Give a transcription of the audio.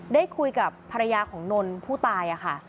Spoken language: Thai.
ได้คุยกับภรรยาของนนท์ผู้ตายค่ะ